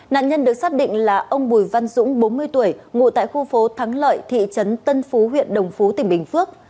nạn nhân được xác định là ông bùi văn dũng bốn mươi tuổi ngụ tại khu phố thắng lợi thị trấn tân phú huyện đồng phú tỉnh bình phước